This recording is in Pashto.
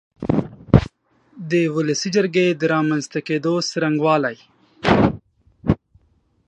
د ولسي جرګې د رامنځ ته کېدو څرنګوالی